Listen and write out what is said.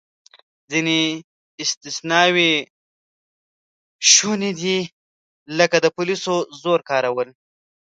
ځینې استثناوې شونې دي، لکه د پولیسو زور کارول.